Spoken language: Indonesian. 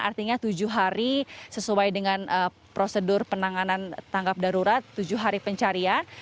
artinya tujuh hari sesuai dengan prosedur penanganan tangkap darurat tujuh hari pencarian